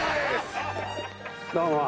どうも。